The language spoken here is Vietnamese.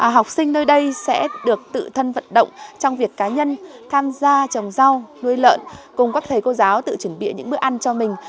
học sinh nơi đây sẽ được tự thân vận động trong việc cá nhân tham gia trồng rau nuôi lợn cùng các thầy cô giáo tự chuẩn bị những bữa ăn cho mình